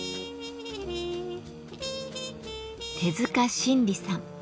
手塚新理さん。